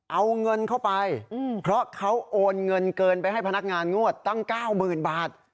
เอาเงินเข้าไปเพราะเขาโอนเงินเกินไปให้พนักงานงวดตั้ง๙๐๐๐บาท